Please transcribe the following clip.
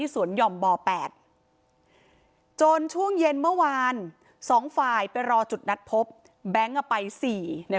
ส่วนหย่อมบ่อ๘จนช่วงเย็นเมื่อวาน๒ฝ่ายไปรอจุดนัดพบแบงค์ไป๔